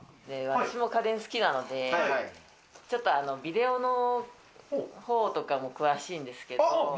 私も家電が好きなので、ちょっとビデオのほうとかも詳しいんですけど。